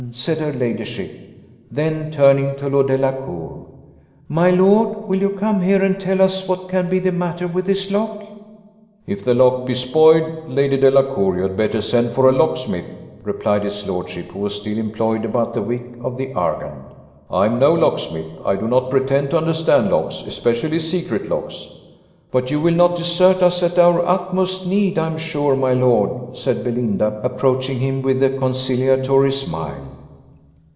said her ladyship. Then turning to Lord Delacour, "My lord, will you come here and tell us what can be the matter with this lock?" "If the lock be spoiled, Lady Delacour, you had better send for a locksmith," replied his lordship, who was still employed about the wick of the Argand: "I am no locksmith I do not pretend to understand locks especially secret locks." "But you will not desert us at our utmost need, I am sure, my lord," said Belinda, approaching him with a conciliatory smile.